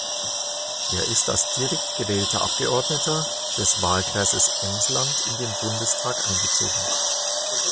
Er ist als direkt gewählter Abgeordneter des Wahlkreises Emsland in den Bundestag eingezogen.